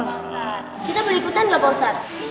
kita mau ikutan nggak pak ustadz